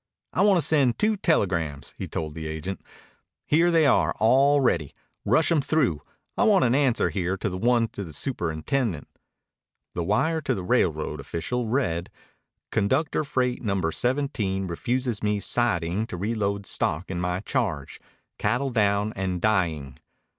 "I want to send two telegrams," he told the agent. "Here they are all ready. Rush 'em through. I want an answer here to the one to the superintendent." The wire to the railroad official read: Conductor freight number 17 refuses me siding to reload stock in my charge. Cattle down and dying.